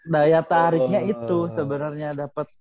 daya tariknya itu sebenernya dapet